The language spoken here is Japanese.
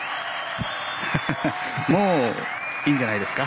もういいんじゃないですか。